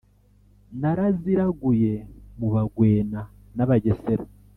naraziraguye mu bagwena n'abagesera